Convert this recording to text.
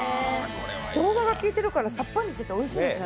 しょうがが効いてるからさっぱりしておいしいですね。